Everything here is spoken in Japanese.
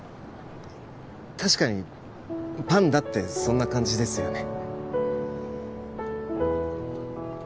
確かにパンダってそんな感じですよね